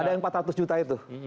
ada yang empat ratus juta itu